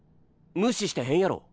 無視してへんやろ。